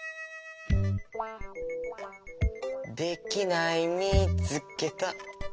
できないみつけた。